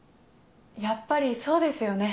やっぱりそうですよね。